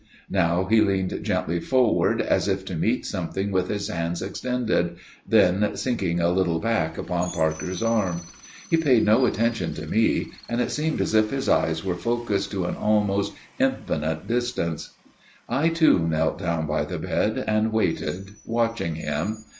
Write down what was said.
Now he leaned gently forward, as if to meet something with his hands extended, then sinking a little back upon Parker's arm. He paid no attention to me, and it seemed as if his eyes were focused to an almost infinite distance. I too knelt down by the bed and waited watching him.